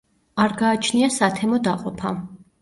არ გააჩნია სათემო დაყოფა.